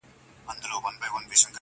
تر څو پوري چي د منظور پښتین -